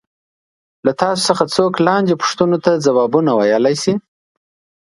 له تاسو څخه څوک لاندې پوښتنو ته ځوابونه ویلای شي.